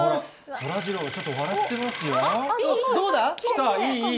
そらジロー、ちょっと笑ってどうだ？